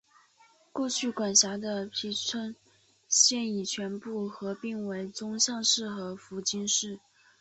过去管辖的町村现已全部合并为宗像市和福津市。